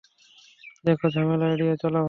দেখো, ঝামেলা এড়িয়ে চলা ভালো।